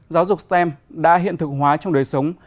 giáo dục stem đã hiện thực hóa trong đời sống